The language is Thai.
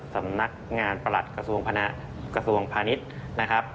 สำนักงานประหลัดกระทรวงพาณิชย์นะครับ